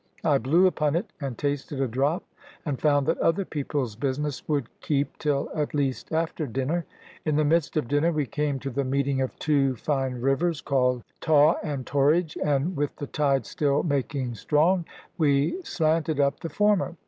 I blew upon it, and tasted a drop, and found that other people's business would keep till at least after dinner. In the midst of dinner we came to the meeting of two fine rivers, called Tawe and Torridge, and with the tide still making strong we slanted up the former.